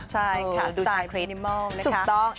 ใช่ค่ะดูชาคริสต์สุขต้อง